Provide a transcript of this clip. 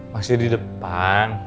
masih di depan